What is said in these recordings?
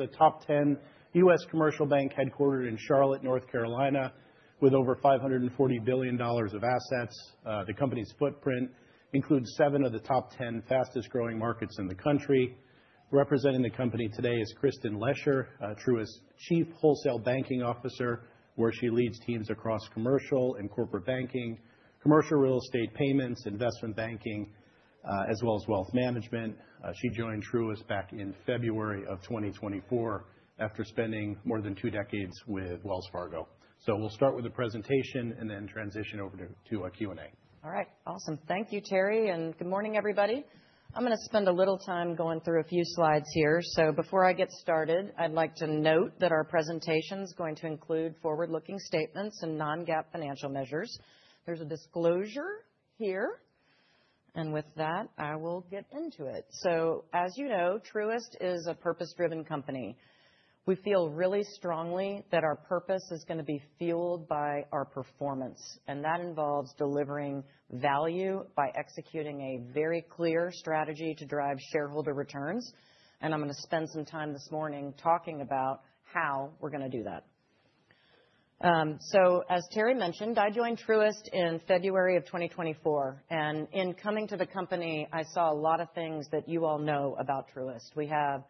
As a top 10 U.S. commercial bank headquartered in Charlotte, North Carolina, with over $540 billion of assets, the company's footprint includes seven of the top 10 fastest-growing markets in the country. Representing the company today is Kristin Lesher, Truist's Chief Wholesale Banking Officer, where she leads teams across commercial and corporate banking, commercial real estate payments, investment banking, as well as wealth management. She joined Truist back in February of 2024 after spending more than two decades with Wells Fargo. So we'll start with a presentation and then transition over to a Q&A. All right. Awesome. Thank you, Terry. And good morning, everybody. I'm going to spend a little time going through a few slides here. So before I get started, I'd like to note that our presentation is going to include forward-looking statements and non-GAAP financial measures. There's a disclosure here. And with that, I will get into it. So as you know, Truist is a purpose-driven company. We feel really strongly that our purpose is going to be fueled by our performance. And that involves delivering value by executing a very clear strategy to drive shareholder returns. And I'm going to spend some time this morning talking about how we're going to do that. So as Terry mentioned, I joined Truist in February of 2024. And in coming to the company, I saw a lot of things that you all know about Truist. We have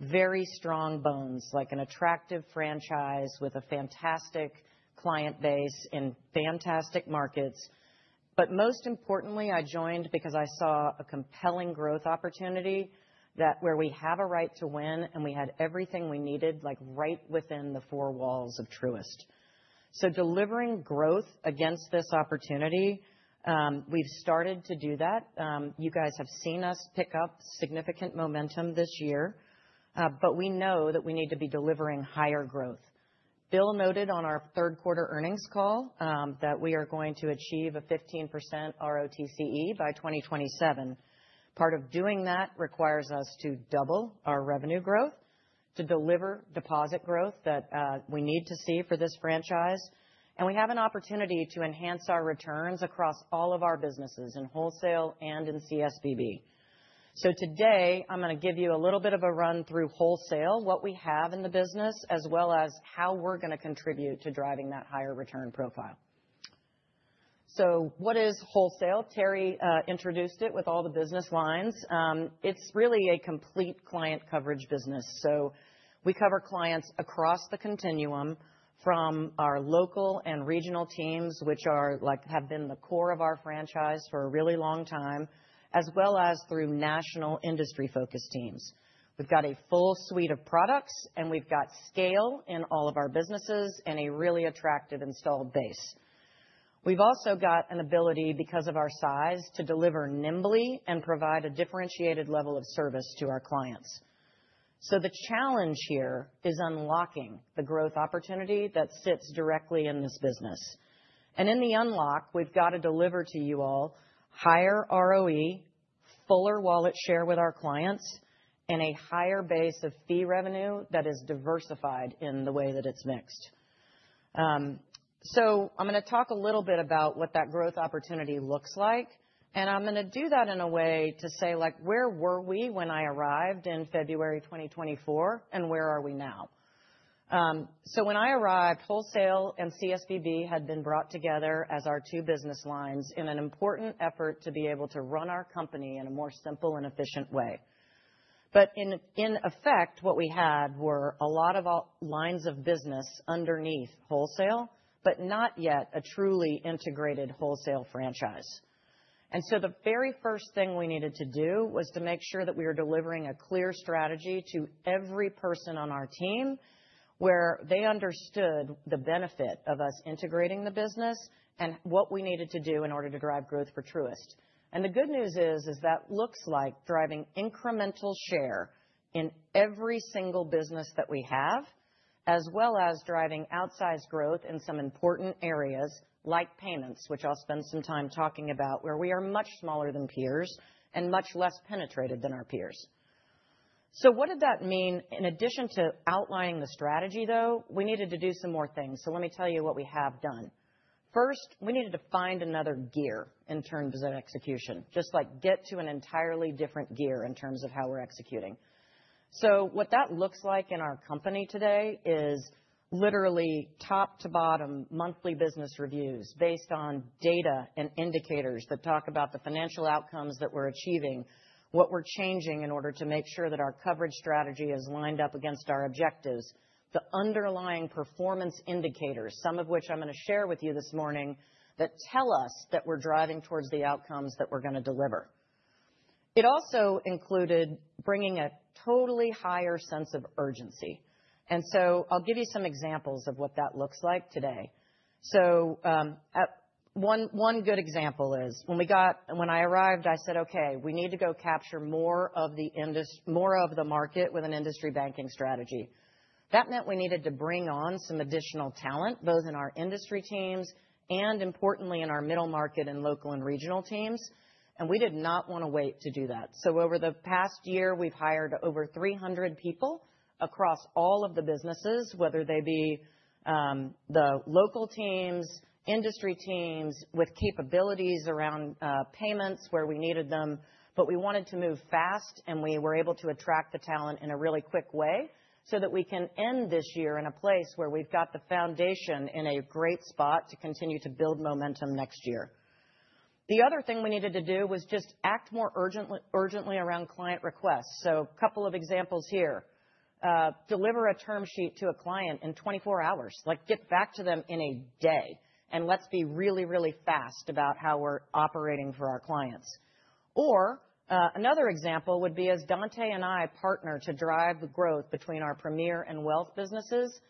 very strong bones, like an attractive franchise with a fantastic client base in fantastic markets. But most importantly, I joined because I saw a compelling growth opportunity where we have a right to win and we had everything we needed, like right within the four walls of Truist. So delivering growth against this opportunity, we've started to do that. You guys have seen us pick up significant momentum this year. But we know that we need to be delivering higher growth. Bill noted on our third-quarter earnings call that we are going to achieve a 15% ROTCE by 2027. Part of doing that requires us to double our revenue growth, to deliver deposit growth that we need to see for this franchise. And we have an opportunity to enhance our returns across all of our businesses in wholesale and in CSBB. So today, I'm going to give you a little bit of a run-through wholesale, what we have in the business, as well as how we're going to contribute to driving that higher return profile. So what is wholesale? Terry introduced it with all the business lines. It's really a complete client coverage business. So we cover clients across the continuum from our local and regional teams, which have been the core of our franchise for a really long time, as well as through national industry-focused teams. We've got a full suite of products, and we've got scale in all of our businesses and a really attractive installed base. We've also got an ability, because of our size, to deliver nimbly and provide a differentiated level of service to our clients. So the challenge here is unlocking the growth opportunity that sits directly in this business. And in the unlock, we've got to deliver to you all higher ROE, fuller wallet share with our clients, and a higher base of fee revenue that is diversified in the way that it's mixed. So I'm going to talk a little bit about what that growth opportunity looks like. And I'm going to do that in a way to say, like, where were we when I arrived in February 2024, and where are we now? So when I arrived, wholesale and CSBB had been brought together as our two business lines in an important effort to be able to run our company in a more simple and efficient way. But in effect, what we had were a lot of lines of business underneath wholesale, but not yet a truly integrated wholesale franchise. The very first thing we needed to do was to make sure that we were delivering a clear strategy to every person on our team where they understood the benefit of us integrating the business and what we needed to do in order to drive growth for Truist. The good news is that looks like driving incremental share in every single business that we have, as well as driving outsized growth in some important areas like payments, which I'll spend some time talking about, where we are much smaller than peers and much less penetrated than our peers. What did that mean? In addition to outlining the strategy, though, we needed to do some more things. Let me tell you what we have done. First, we needed to find another gear in terms of execution, just like get to an entirely different gear in terms of how we're executing, so what that looks like in our company today is literally top-to-bottom monthly business reviews based on data and indicators that talk about the financial outcomes that we're achieving, what we're changing in order to make sure that our coverage strategy is lined up against our objectives, the underlying performance indicators, some of which I'm going to share with you this morning that tell us that we're driving towards the outcomes that we're going to deliver. It also included bringing a totally higher sense of urgency, and so I'll give you some examples of what that looks like today. One good example is when I arrived. I said, "Okay, we need to go capture more of the market with an industry banking strategy." That meant we needed to bring on some additional talent, both in our industry teams and, importantly, in our middle market and local and regional teams. And we did not want to wait to do that. So over the past year, we've hired over 300 people across all of the businesses, whether they be the local teams, industry teams with capabilities around payments where we needed them. But we wanted to move fast, and we were able to attract the talent in a really quick way so that we can end this year in a place where we've got the foundation in a great spot to continue to build momentum next year. The other thing we needed to do was just act more urgently around client requests. So a couple of examples here: deliver a term sheet to a client in 24 hours, like get back to them in a day, and let's be really, really fast about how we're operating for our clients. Or another example would be, as Dontá and I partner to drive the growth between our Premier and wealth businesses,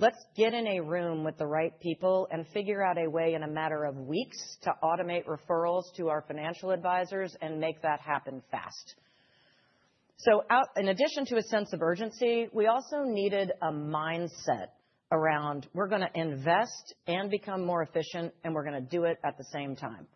let's get in a room with the right people and figure out a way in a matter of weeks to automate referrals to our financial advisors and make that happen fast. So in addition to a sense of urgency, we also needed a mindset around we're going to invest and become more efficient, and we're going to do it at the same time.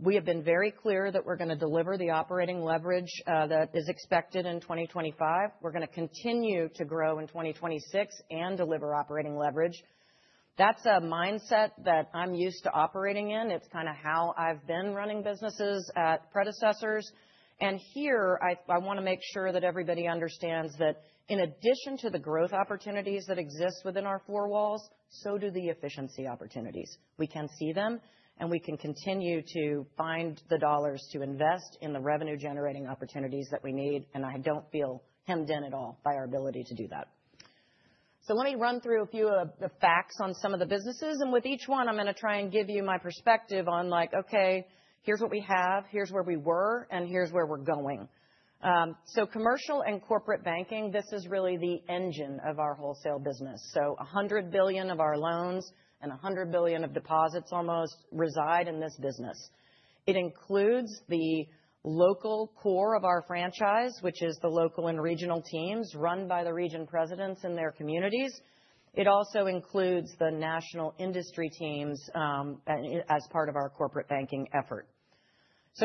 We have been very clear that we're going to deliver the operating leverage that is expected in 2025. We're going to continue to grow in 2026 and deliver operating leverage. That's a mindset that I'm used to operating in. It's kind of how I've been running businesses at predecessors. Here, I want to make sure that everybody understands that in addition to the growth opportunities that exist within our four walls, so do the efficiency opportunities. We can see them, and we can continue to find the dollars to invest in the revenue-generating opportunities that we need. I don't feel hemmed in at all by our ability to do that. Let me run through a few of the facts on some of the businesses. With each one, I'm going to try and give you my perspective on, like, okay, here's what we have, here's where we were, and here's where we're going. Commercial and corporate banking, this is really the engine of our wholesale business. $100 billion of our loans and $100 billion of deposits almost reside in this business. It includes the local core of our franchise, which is the local and regional teams run by the region presidents in their communities. It also includes the national industry teams as part of our corporate banking effort.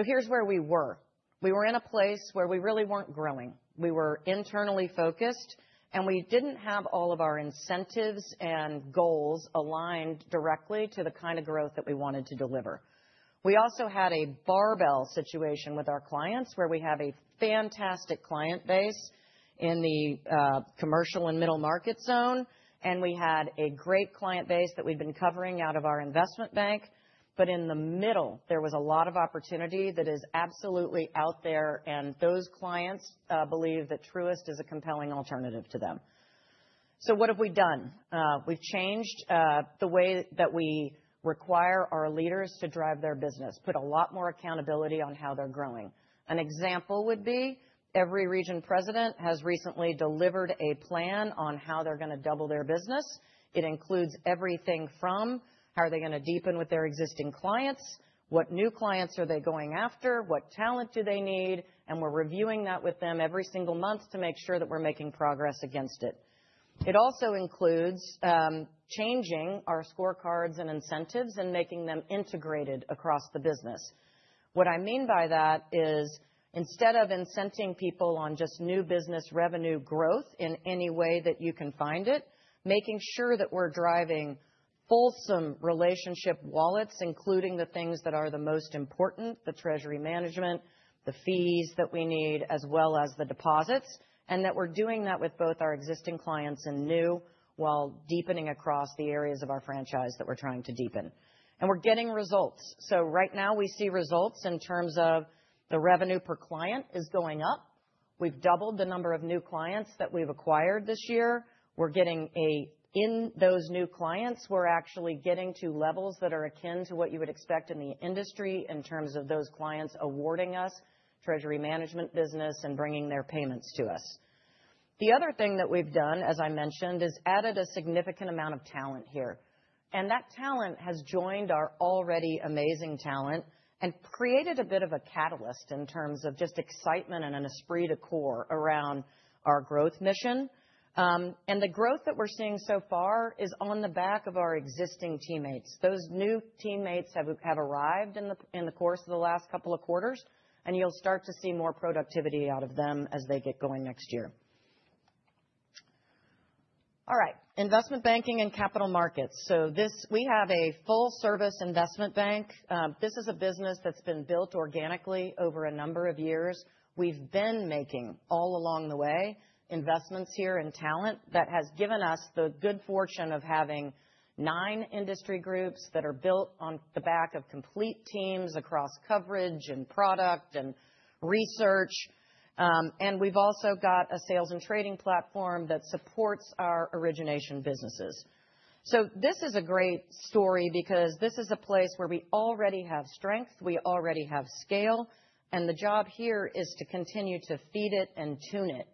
Here's where we were. We were in a place where we really weren't growing. We were internally focused, and we didn't have all of our incentives and goals aligned directly to the kind of growth that we wanted to deliver. We also had a barbell situation with our clients where we have a fantastic client base in the commercial and middle market zone, and we had a great client base that we've been covering out of our investment bank, but in the middle, there was a lot of opportunity that is absolutely out there, and those clients believe that Truist is a compelling alternative to them, so what have we done? We've changed the way that we require our leaders to drive their business, put a lot more accountability on how they're growing. An example would be every region president has recently delivered a plan on how they're going to double their business. It includes everything from how are they going to deepen with their existing clients, what new clients are they going after, what talent do they need. We're reviewing that with them every single month to make sure that we're making progress against it. It also includes changing our scorecards and incentives and making them integrated across the business. What I mean by that is instead of incenting people on just new business revenue growth in any way that you can find it, making sure that we're driving fulsome relationship wallets, including the things that are the most important, the treasury management, the fees that we need, as well as the deposits, and that we're doing that with both our existing clients and new while deepening across the areas of our franchise that we're trying to deepen. We're getting results. Right now, we see results in terms of the revenue per client is going up. We've doubled the number of new clients that we've acquired this year. We're getting in those new clients, we're actually getting to levels that are akin to what you would expect in the industry in terms of those clients awarding us treasury management business and bringing their payments to us. The other thing that we've done, as I mentioned, is added a significant amount of talent here, and that talent has joined our already amazing talent and created a bit of a catalyst in terms of just excitement and an esprit de corps around our growth mission, and the growth that we're seeing so far is on the back of our existing teammates. Those new teammates have arrived in the course of the last couple of quarters, and you'll start to see more productivity out of them as they get going next year. All right, investment banking and capital markets, so we have a full-service investment bank. This is a business that's been built organically over a number of years. We've been making all along the way investments here in talent that has given us the good fortune of having nine industry groups that are built on the back of complete teams across coverage and product and research. And we've also got a sales and trading platform that supports our origination businesses. So this is a great story because this is a place where we already have strength, we already have scale, and the job here is to continue to feed it and tune it.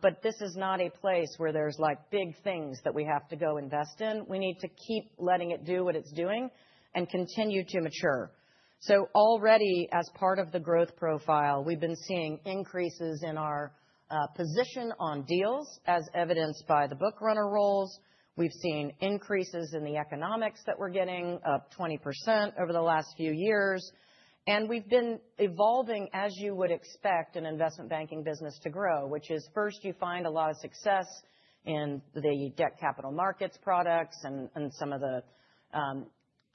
But this is not a place where there's like big things that we have to go invest in. We need to keep letting it do what it's doing and continue to mature. So already, as part of the growth profile, we've been seeing increases in our position on deals, as evidenced by the bookrunner roles. We've seen increases in the economics that we're getting of 20% over the last few years. And we've been evolving, as you would expect an investment banking business to grow, which is first you find a lot of success in the debt capital markets products and some of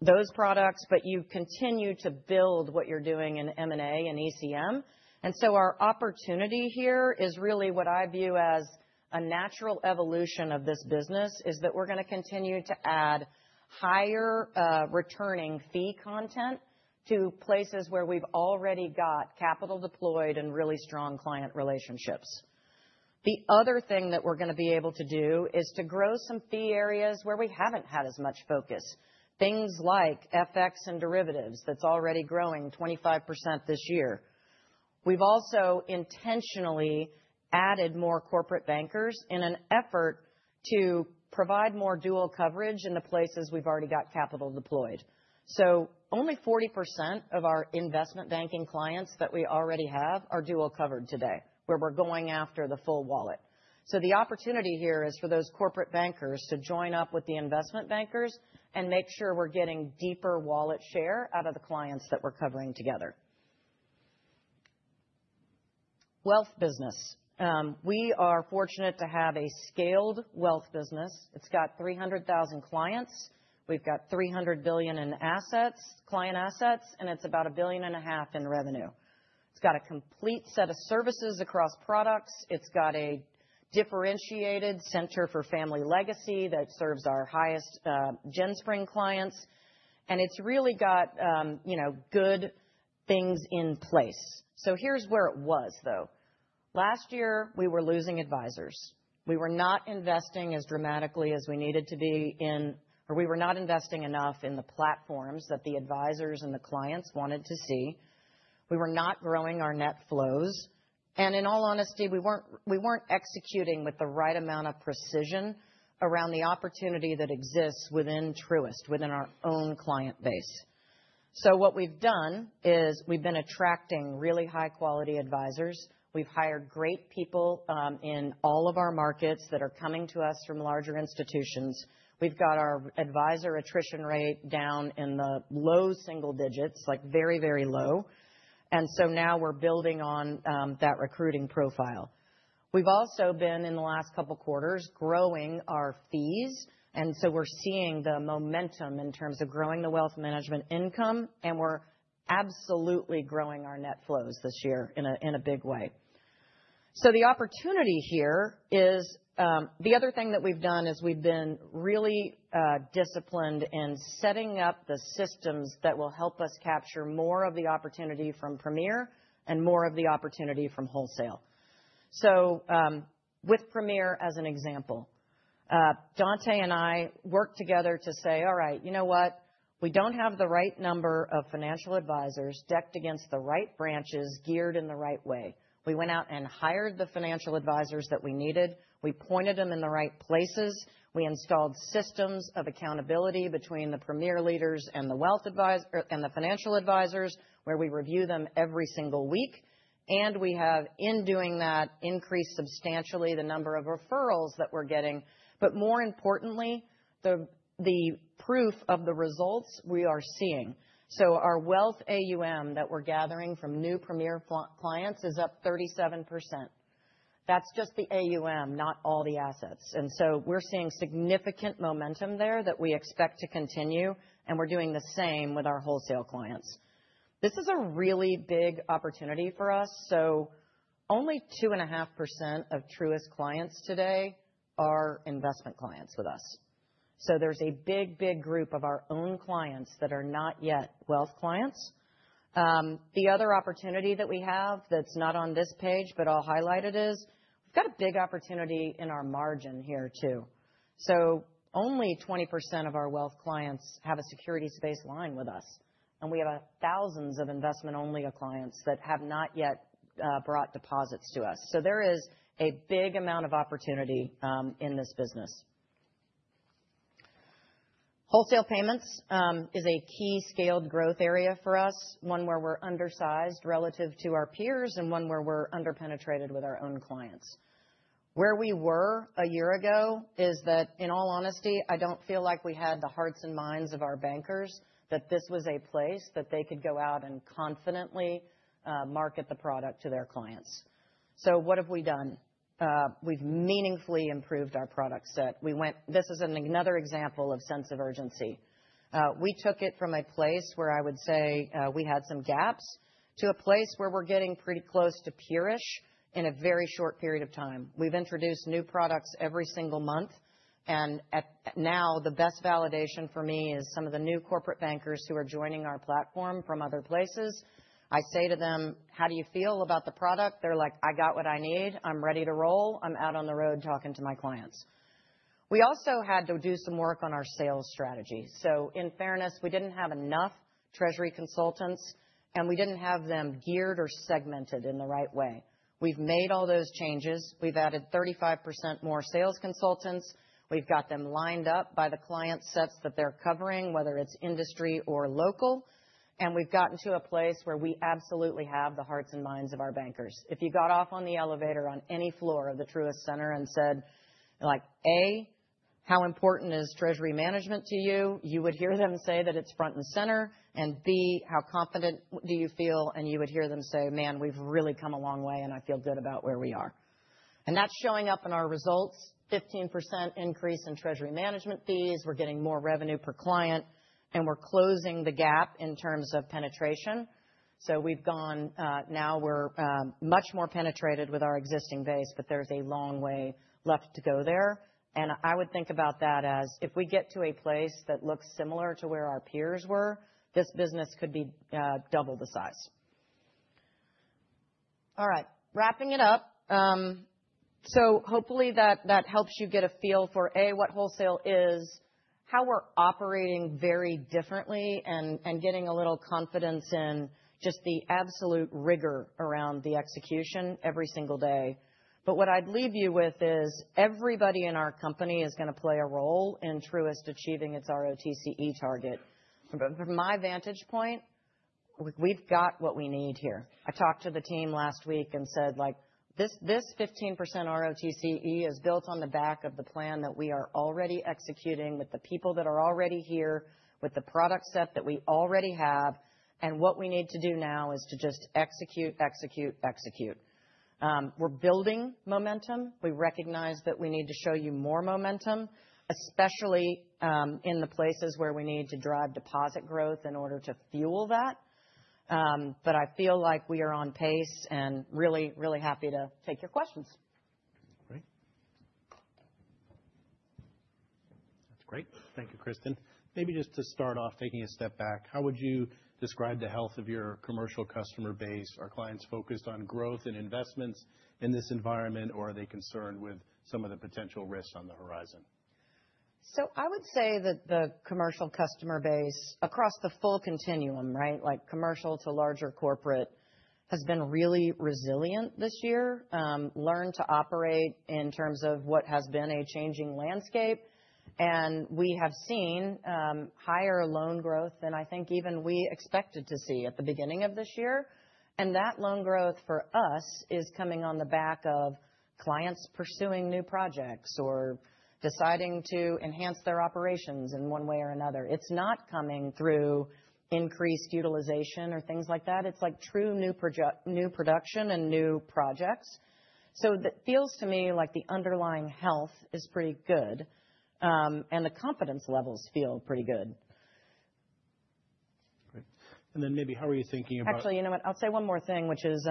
those products, but you continue to build what you're doing in M&A and ECM. And so our opportunity here is really what I view as a natural evolution of this business, is that we're going to continue to add higher returning fee content to places where we've already got capital deployed and really strong client relationships. The other thing that we're going to be able to do is to grow some fee areas where we haven't had as much focus, things like FX and derivatives that's already growing 25% this year. We've also intentionally added more corporate bankers in an effort to provide more dual coverage in the places we've already got capital deployed. So only 40% of our investment banking clients that we already have are dual covered today, where we're going after the full wallet. So the opportunity here is for those corporate bankers to join up with the investment bankers and make sure we're getting deeper wallet share out of the clients that we're covering together. Wealth business. We are fortunate to have a scaled wealth business. It's got 300,000 clients. We've got $300 billion in client assets, and it's about $1.5 billion in revenue. It's got a complete set of services across products. It's got a differentiated Center for Family Legacy that serves our highest GenSpring clients. And it's really got good things in place. So here's where it was, though. Last year, we were losing advisors. We were not investing as dramatically as we needed to be in, or we were not investing enough in the platforms that the advisors and the clients wanted to see. We were not growing our net flows. And in all honesty, we weren't executing with the right amount of precision around the opportunity that exists within Truist, within our own client base. So what we've done is we've been attracting really high-quality advisors. We've hired great people in all of our markets that are coming to us from larger institutions. We've got our advisor attrition rate down in the low single digits, like very, very low. And so now we're building on that recruiting profile. We've also been, in the last couple of quarters, growing our fees. And so we're seeing the momentum in terms of growing the wealth management income, and we're absolutely growing our net flows this year in a big way. So the opportunity here is the other thing that we've done is we've been really disciplined in setting up the systems that will help us capture more of the opportunity from premier and more of the opportunity from wholesale. So with premier as an example, Dante and I worked together to say, "All right, you know what? We don't have the right number of financial advisors decked against the right branches geared in the right way." We went out and hired the financial advisors that we needed. We pointed them in the right places. We installed systems of accountability between the premier leaders and the financial advisors, where we review them every single week. And we have, in doing that, increased substantially the number of referrals that we're getting. But more importantly, the proof of the results we are seeing. So our wealth AUM that we're gathering from new premier clients is up 37%. That's just the AUM, not all the assets. And so we're seeing significant momentum there that we expect to continue, and we're doing the same with our wholesale clients. This is a really big opportunity for us. So only 2.5% of Truist clients today are investment clients with us. So there's a big, big group of our own clients that are not yet wealth clients. The other opportunity that we have that's not on this page, but I'll highlight it, is we've got a big opportunity in our margin here too. So only 20% of our wealth clients have a securities-based line of credit with us. And we have thousands of investment-only clients that have not yet brought deposits to us. So there is a big amount of opportunity in this business. Wholesale payments is a key scaled growth area for us, one where we're undersized relative to our peers and one where we're underpenetrated with our own clients. Where we were a year ago is that, in all honesty, I don't feel like we had the hearts and minds of our bankers that this was a place that they could go out and confidently market the product to their clients. So what have we done? We've meaningfully improved our product set. This is another example of sense of urgency. We took it from a place where I would say we had some gaps to a place where we're getting pretty close to peerish in a very short period of time. We've introduced new products every single month. And now the best validation for me is some of the new corporate bankers who are joining our platform from other places. I say to them, "How do you feel about the product?" They're like, "I got what I need. I'm ready to roll. I'm out on the road talking to my clients." We also had to do some work on our sales strategy. So in fairness, we didn't have enough treasury consultants, and we didn't have them geared or segmented in the right way. We've made all those changes. We've added 35% more sales consultants. We've got them lined up by the client sets that they're covering, whether it's industry or local. And we've gotten to a place where we absolutely have the hearts and minds of our bankers. If you got off on the elevator on any floor of the Truist Center and said, "A, how important is treasury management to you?" You would hear them say that it's front and center. And "B, how confident do you feel?" And you would hear them say, "Man, we've really come a long way, and I feel good about where we are." And that's showing up in our results: 15% increase in treasury management fees. We're getting more revenue per client, and we're closing the gap in terms of penetration. So we've gone now, we're much more penetrated with our existing base, but there's a long way left to go there. And I would think about that as if we get to a place that looks similar to where our peers were, this business could be double the size. All right, wrapping it up. So hopefully that helps you get a feel for, A, what wholesale is, how we're operating very differently, and getting a little confidence in just the absolute rigor around the execution every single day. But what I'd leave you with is everybody in our company is going to play a role in Truist achieving its ROTCE target. From my vantage point, we've got what we need here. I talked to the team last week and said, "This 15% ROTCE is built on the back of the plan that we are already executing with the people that are already here, with the product set that we already have. What we need to do now is to just execute, execute, execute." We're building momentum. We recognize that we need to show you more momentum, especially in the places where we need to drive deposit growth in order to fuel that. I feel like we are on pace and really, really happy to take your questions. Great. That's great. Thank you, Kristin. Maybe just to start off, taking a step back, how would you describe the health of your commercial customer base? Are clients focused on growth and investments in this environment, or are they concerned with some of the potential risks on the horizon? I would say that the commercial customer base across the full continuum, right, like commercial to larger corporate, has been really resilient this year, learned to operate in terms of what has been a changing landscape. And we have seen higher loan growth than I think even we expected to see at the beginning of this year. And that loan growth for us is coming on the back of clients pursuing new projects or deciding to enhance their operations in one way or another. It's not coming through increased utilization or things like that. It's like true new production and new projects. So it feels to me like the underlying health is pretty good, and the confidence levels feel pretty good. Great. And then maybe how are you thinking about? Actually, you know what? I'll say one more thing, which is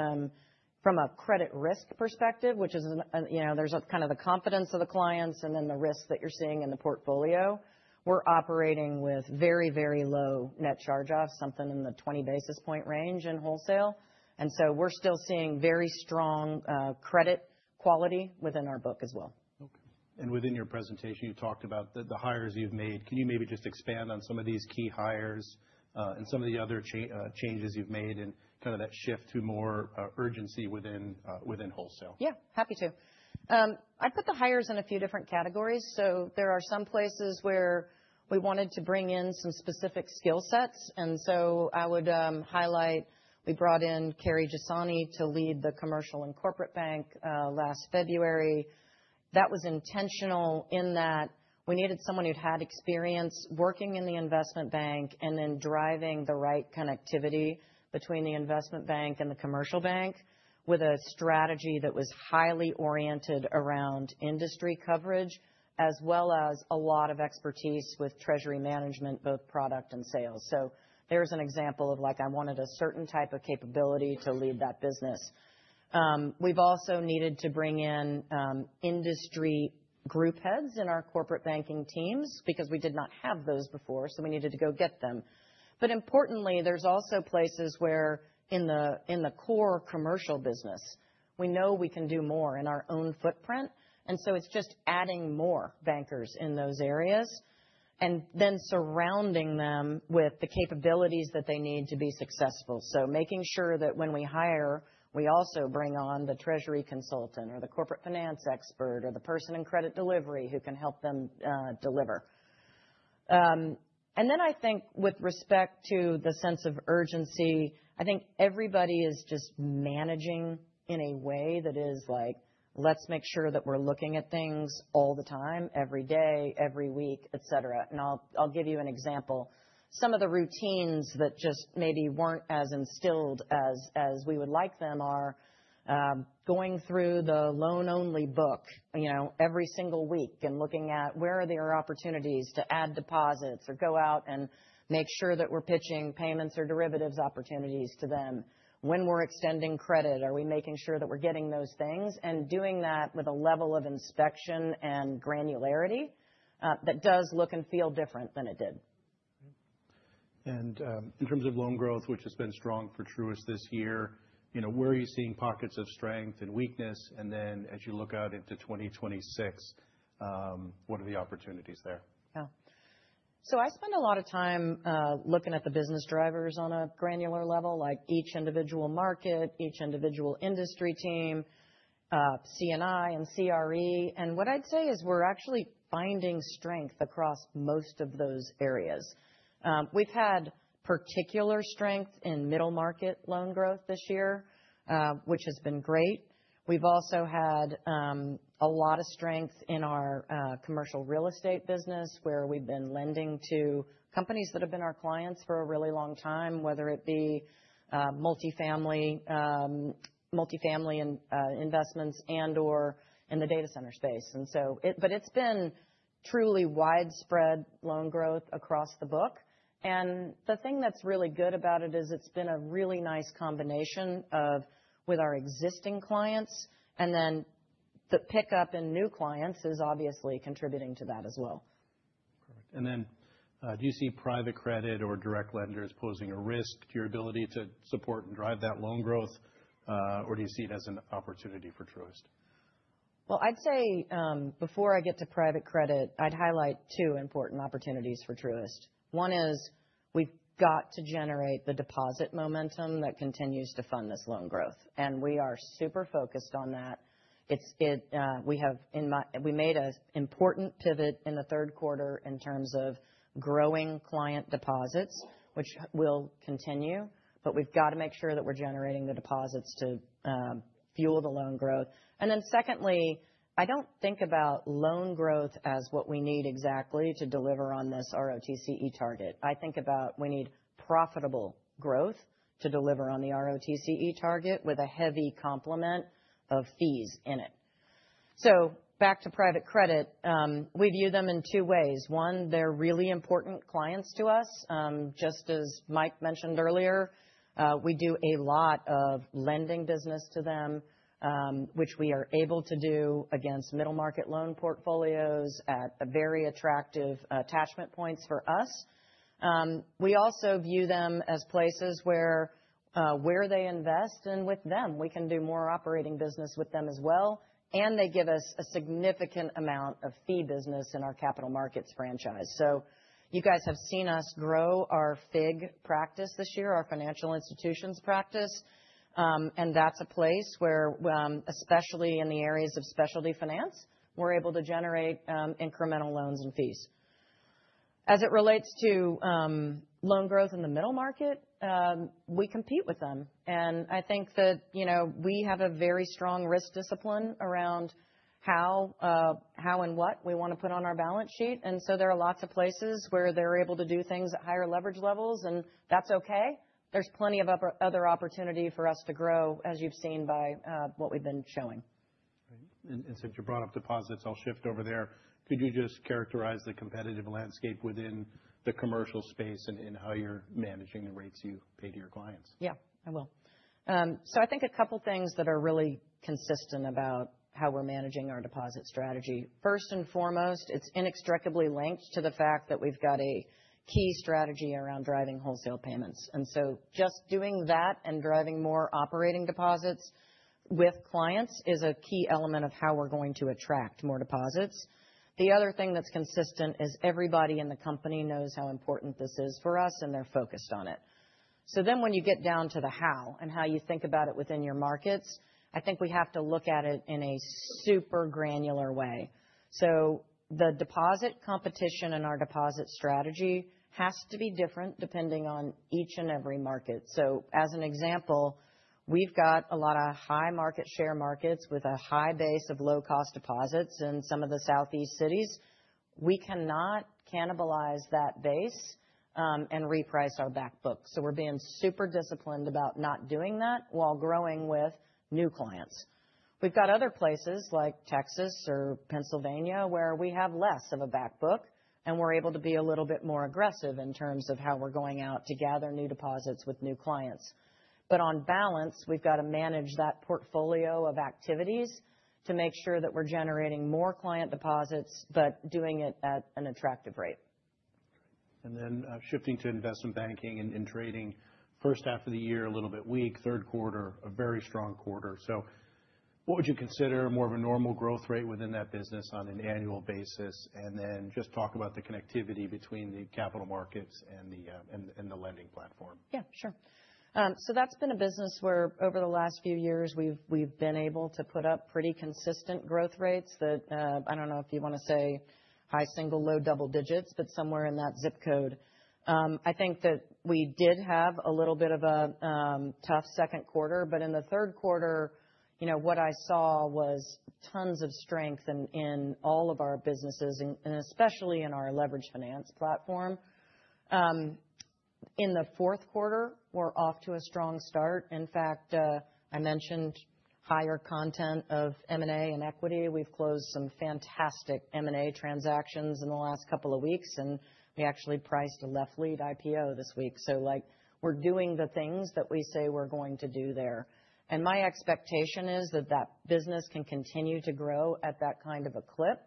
from a credit risk perspective, which is there's kind of the confidence of the clients and then the risks that you're seeing in the portfolio. We're operating with very, very low net charge-off, something in the 20 basis points range in wholesale. And so we're still seeing very strong credit quality within our book as well. Okay. And within your presentation, you talked about the hires you've made. Can you maybe just expand on some of these key hires and some of the other changes you've made and kind of that shift to more urgency within wholesale? Yeah, happy to. I'd put the hires in a few different categories. So there are some places where we wanted to bring in some specific skill sets. And so I would highlight we brought in Kelley Jasani to lead the commercial and corporate bank last February. That was intentional in that we needed someone who'd had experience working in the investment bank and then driving the right connectivity between the investment bank and the commercial bank with a strategy that was highly oriented around industry coverage, as well as a lot of expertise with treasury management, both product and sales. So there's an example of like I wanted a certain type of capability to lead that business. We've also needed to bring in industry group heads in our corporate banking teams because we did not have those before, so we needed to go get them. But importantly, there's also places where in the core commercial business, we know we can do more in our own footprint. And so it's just adding more bankers in those areas and then surrounding them with the capabilities that they need to be successful. So making sure that when we hire, we also bring on the treasury consultant or the corporate finance expert or the person in credit delivery who can help them deliver. And then I think with respect to the sense of urgency, I think everybody is just managing in a way that is like, "Let's make sure that we're looking at things all the time, every day, every week, etc." And I'll give you an example. Some of the routines that just maybe weren't as instilled as we would like them are going through the loan-only book every single week and looking at where are there opportunities to add deposits or go out and make sure that we're pitching payments or derivatives opportunities to them. When we're extending credit, are we making sure that we're getting those things? And doing that with a level of inspection and granularity that does look and feel different than it did. And in terms of loan growth, which has been strong for Truist this year, where are you seeing pockets of strength and weakness? And then as you look out into 2026, what are the opportunities there? Yeah. So I spend a lot of time looking at the business drivers on a granular level, like each individual market, each individual industry team, C&I and CRE. And what I'd say is we're actually finding strength across most of those areas. We've had particular strength in middle market loan growth this year, which has been great. We've also had a lot of strength in our commercial real estate business where we've been lending to companies that have been our clients for a really long time, whether it be multifamily investments and/or in the data center space. And so, but it's been truly widespread loan growth across the book. And the thing that's really good about it is it's been a really nice combination of with our existing clients. And then the pickup in new clients is obviously contributing to that as well. Perfect. And then do you see private credit or direct lenders posing a risk to your ability to support and drive that loan growth, or do you see it as an opportunity for Truist? Well, I'd say before I get to private credit, I'd highlight two important opportunities for Truist. One is we've got to generate the deposit momentum that continues to fund this loan growth. And we are super focused on that. We made an important pivot in the third quarter in terms of growing client deposits, which will continue. But we've got to make sure that we're generating the deposits to fuel the loan growth. And then secondly, I don't think about loan growth as what we need exactly to deliver on this ROTCE target. I think about we need profitable growth to deliver on the ROTCE target with a heavy complement of fees in it. So back to private credit, we view them in two ways. One, they're really important clients to us. Just as Mike mentioned earlier, we do a lot of lending business to them, which we are able to do against middle market loan portfolios at very attractive attachment points for us. We also view them as places where they invest, and with them, we can do more operating business with them as well, and they give us a significant amount of fee business in our capital markets franchise, so you guys have seen us grow our FIG practice this year, our financial institutions practice, and that's a place where, especially in the areas of specialty finance, we're able to generate incremental loans and fees. As it relates to loan growth in the middle market, we compete with them, and I think that we have a very strong risk discipline around how and what we want to put on our balance sheet, and so there are lots of places where they're able to do things at higher leverage levels, and that's okay. There's plenty of other opportunity for us to grow, as you've seen by what we've been showing. And since you brought up deposits, I'll shift over there. Could you just characterize the competitive landscape within the commercial space and how you're managing the rates you pay to your clients? Yeah, I will. So I think a couple of things that are really consistent about how we're managing our deposit strategy. First and foremost, it's inextricably linked to the fact that we've got a key strategy around driving wholesale payments. And so just doing that and driving more operating deposits with clients is a key element of how we're going to attract more deposits. The other thing that's consistent is everybody in the company knows how important this is for us, and they're focused on it. So then when you get down to the how and how you think about it within your markets, I think we have to look at it in a super granular way. The deposit competition in our deposit strategy has to be different depending on each and every market. As an example, we've got a lot of high market share markets with a high base of low-cost deposits in some of the Southeast cities. We cannot cannibalize that base and reprice our backbook. We're being super disciplined about not doing that while growing with new clients. We've got other places like Texas or Pennsylvania where we have less of a backbook, and we're able to be a little bit more aggressive in terms of how we're going out to gather new deposits with new clients. On balance, we've got to manage that portfolio of activities to make sure that we're generating more client deposits, but doing it at an attractive rate. Then, shifting to investment banking and trading, first half of the year, a little bit weak, third quarter, a very strong quarter. What would you consider more of a normal growth rate within that business on an annual basis? And then just talk about the connectivity between the capital markets and the lending platform. Yeah, sure. That's been a business where over the last few years, we've been able to put up pretty consistent growth rates. I don't know if you want to say high single, low double digits, but somewhere in that zip code. I think that we did have a little bit of a tough second quarter, but in the third quarter, what I saw was tons of strength in all of our businesses, and especially in our leverage finance platform. In the fourth quarter, we're off to a strong start. In fact, I mentioned higher content of M&A and equity. We've closed some fantastic M&A transactions in the last couple of weeks, and we actually priced a left lead IPO this week. So we're doing the things that we say we're going to do there. And my expectation is that that business can continue to grow at that kind of a clip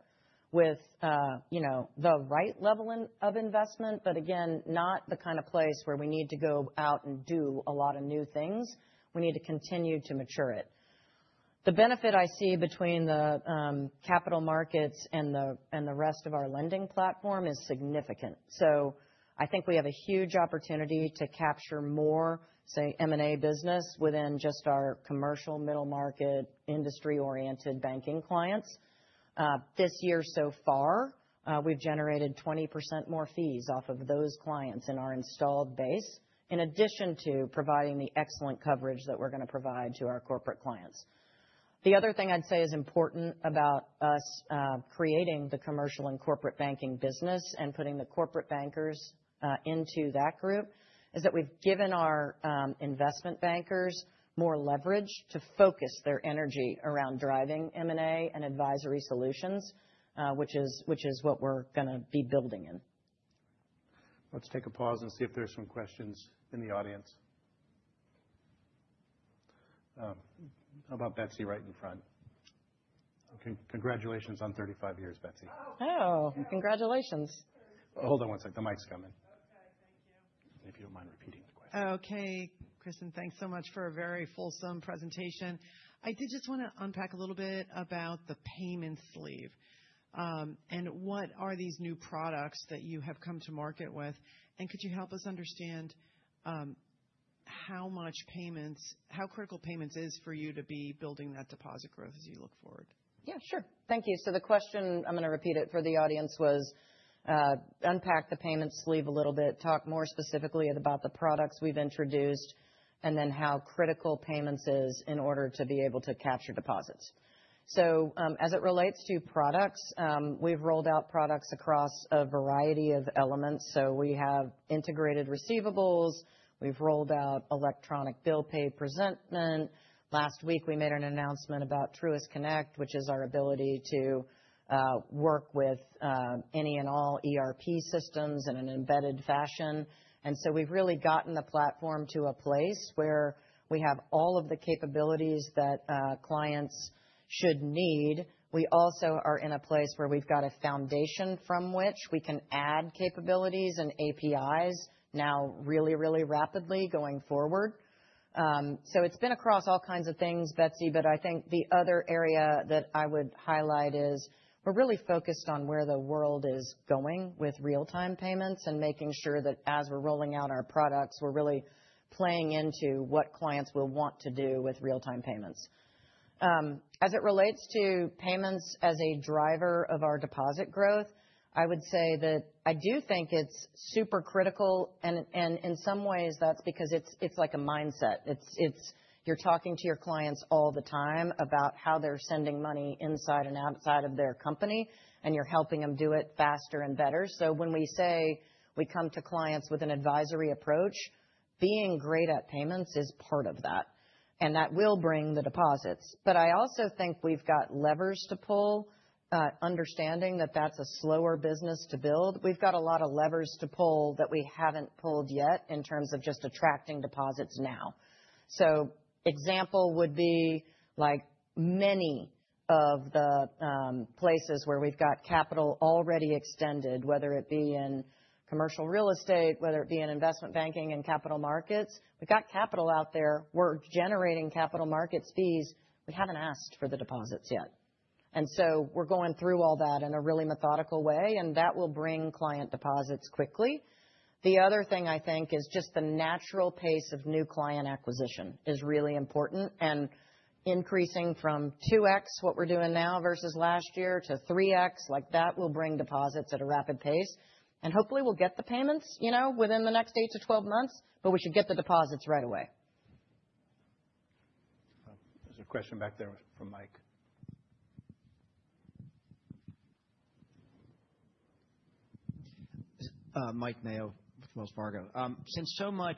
with the right level of investment, but again, not the kind of place where we need to go out and do a lot of new things. We need to continue to mature it. The benefit I see between the capital markets and the rest of our lending platform is significant. So I think we have a huge opportunity to capture more, say, M&A business within just our commercial, middle market, industry-oriented banking clients. This year so far, we've generated 20% more fees off of those clients in our installed base, in addition to providing the excellent coverage that we're going to provide to our corporate clients. The other thing I'd say is important about us creating the commercial and corporate banking business and putting the corporate bankers into that group is that we've given our investment bankers more leverage to focus their energy around driving M&A and advisory solutions, which is what we're going to be building in.. Let's take a pause and see if there's some questions in the audience. How about Betsy right in front? Congratulations on 35 years, Betsy. Oh, congratulations. Hold on one second. The mic's coming. Okay, thank you. If you don't mind repeating the question. Okay, Kristin, thanks so much for a very fulsome presentation. I did just want to unpack a little bit about the payment sleeve and what are these new products that you have come to market with, and could you help us understand how much payments, how critical payments is for you to be building that deposit growth as you look forward? Yeah, sure. Thank you. So the question, I'm going to repeat it for the audience, was unpack the payment sleeve a little bit, talk more specifically about the products we've introduced, and then how critical payments is in order to be able to capture deposits. So as it relates to products, we've rolled out products across a variety of elements. So we have Integrated Receivables. We've rolled out Electronic Bill Pay Presentment. Last week, we made an announcement about Truist Connect, which is our ability to work with any and all ERP systems in an embedded fashion. And so we've really gotten the platform to a place where we have all of the capabilities that clients should need. We also are in a place where we've got a foundation from which we can add capabilities and APIs now really, really rapidly going forward. So it's been across all kinds of things, Betsy, but I think the other area that I would highlight is we're really focused on where the world is going with real-time payments and making sure that as we're rolling out our products, we're really playing into what clients will want to do with real-time payments. As it relates to payments as a driver of our deposit growth, I would say that I do think it's super critical. And in some ways, that's because it's like a mindset. You're talking to your clients all the time about how they're sending money inside and outside of their company, and you're helping them do it faster and better. So when we say we come to clients with an advisory approach, being great at payments is part of that. And that will bring the deposits. But I also think we've got levers to pull, understanding that that's a slower business to build. We've got a lot of levers to pull that we haven't pulled yet in terms of just attracting deposits now. So example would be like many of the places where we've got capital already extended, whether it be in commercial real estate, whether it be in investment banking and capital markets. We've got capital out there. We're generating capital markets fees. We haven't asked for the deposits yet. And so we're going through all that in a really methodical way, and that will bring client deposits quickly. The other thing I think is just the natural pace of new client acquisition is really important. And increasing from 2x what we're doing now versus last year to 3x, like that will bring deposits at a rapid pace. And hopefully, we'll get the payments within the next 8-12 months, but we should get the deposits right away. There's a question back there from Mike. Mike Mayo, Truist Financial. Since so much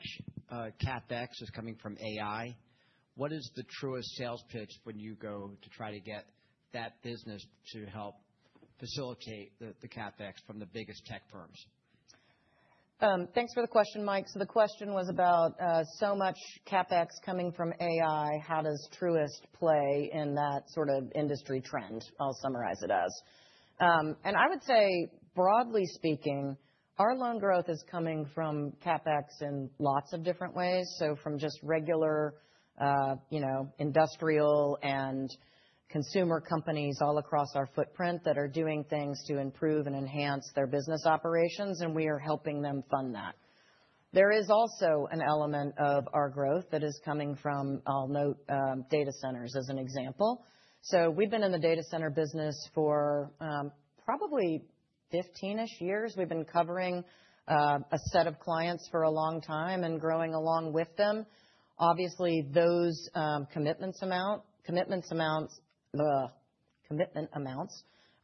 CapEx is coming from AI, what is the Truist sales pitch when you go to try to get that business to help facilitate the CapEx from the biggest tech firms? Thanks for the question, Mike. So the question was about so much CapEx coming from AI, how does Truist play in that sort of industry trend? I'll summarize it as and I would say, broadly speaking, our loan growth is coming from CapEx in lots of different ways so from just regular industrial and consumer companies all across our footprint that are doing things to improve and enhance their business operations, and we are helping them fund that. There is also an element of our growth that is coming from, I'll note, data centers as an example so we've been in the data center business for probably 15-ish years. We've been covering a set of clients for a long time and growing along with them. Obviously, those commitments amounts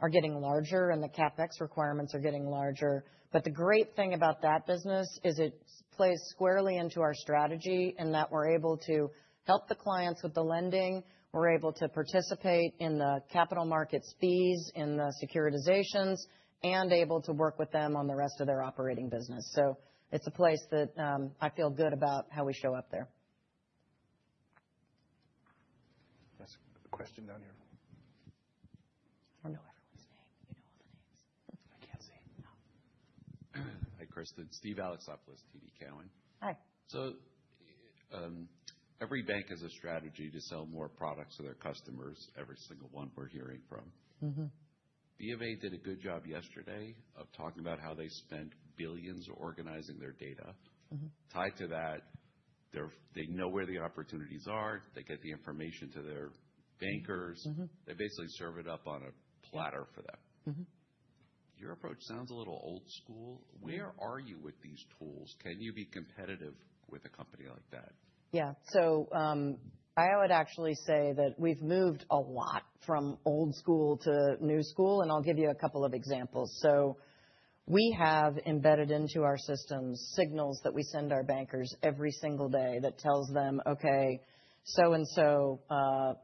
are getting larger, and the CapEx requirements are getting larger but the great thing about that business is it plays squarely into our strategy in that we're able to help the clients with the lending. We're able to participate in the capital markets fees, in the securitizations, and able to work with them on the rest of their operating business. So it's a place that I feel good about how we show up there. Last question down here. I don't know everyone's name. You know all the names. I can't see. Hi, Kristin. Steve Alexopoulos, TD Cowen. Hi. So every bank has a strategy to sell more products to their customers, every single one we're hearing from. B of A did a good job yesterday of talking about how they spent billions organizing their data. Tied to that, they know where the opportunities are. They get the information to their bankers. They basically serve it up on a platter for them. Your approach sounds a little old school. Where are you with these tools? Can you be competitive with a company like that? Yeah. So I would actually say that we've moved a lot from old school to new school, and I'll give you a couple of examples. So we have embedded into our systems signals that we send our bankers every single day that tells them, "Okay, so-and-so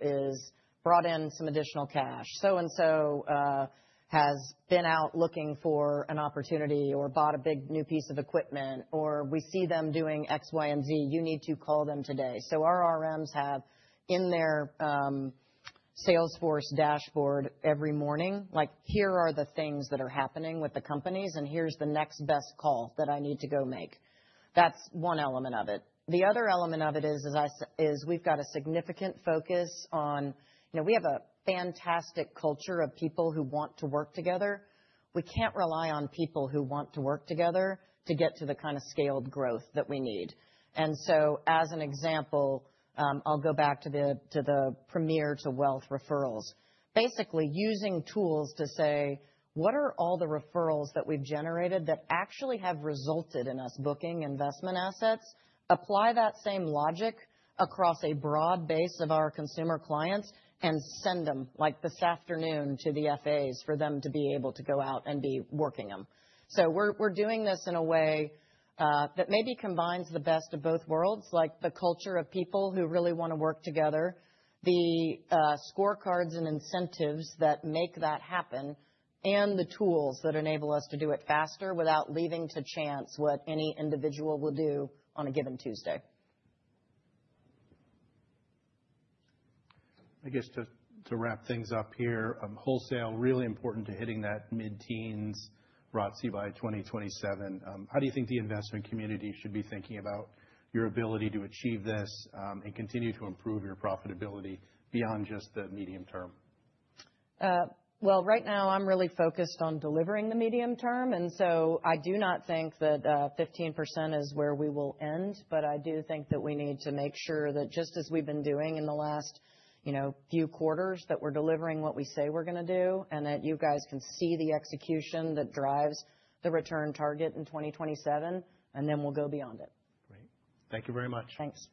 has brought in some additional cash. So-and-so has been out looking for an opportunity or bought a big new piece of equipment, or we see them doing X, Y, and Z. You need to call them today." So our RMs have in their Salesforce dashboard every morning, like, "Here are the things that are happening with the companies, and here's the next best call that I need to go make." That's one element of it. The other element of it is we've got a significant focus on we have a fantastic culture of people who want to work together. We can't rely on people who want to work together to get to the kind of scaled growth that we need. And so as an example, I'll go back to the Premier to wealth referrals. Basically, using tools to say, "What are all the referrals that we've generated that actually have resulted in us booking investment assets?" Apply that same logic across a broad base of our consumer clients and send them, like this afternoon, to the FAs for them to be able to go out and be working them. So we're doing this in a way that maybe combines the best of both worlds, like the culture of people who really want to work together, the scorecards and incentives that make that happen, and the tools that enable us to do it faster without leaving to chance what any individual will do on a given Tuesday. I guess to wrap things up here, wholesale really important to hitting that mid-teens ROTCE by 2027. How do you think the investment community should be thinking about your ability to achieve this and continue to improve your profitability beyond just the medium term? Well, right now, I'm really focused on delivering the medium term. And so I do not think that 15% is where we will end, but I do think that we need to make sure that just as we've been doing in the last few quarters, that we're delivering what we say we're going to do and that you guys can see the execution that drives the return target in 2027, and then we'll go beyond it. Great. Thank you very much. Thanks.